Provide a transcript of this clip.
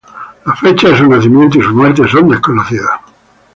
La fecha de su nacimiento y su muerte son desconocidas.